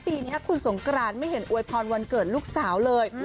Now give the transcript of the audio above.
ปีนี้คุณสงกรานไม่เห็นอวยพรวันเกิดลูกสาวเลย